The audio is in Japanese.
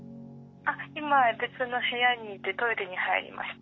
あっ今は別の部屋にいてトイレに入りました。